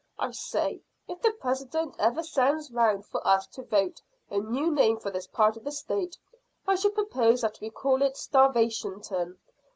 I say, if the President ever sends round for us to vote a new name for this part of the State I shall propose that we call it Starvationton.